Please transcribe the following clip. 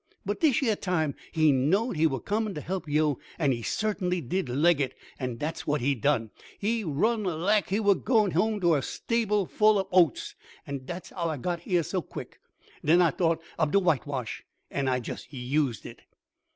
But dish yeah time he knowed he were comin' t' help yo', an' he certainly did leg it, dat's what he done! He run laik he were goin' home t' a stable full ob oats, an' dat's how I got heah so quick. Den I t'ought ob de whitewash, an' I jest used it."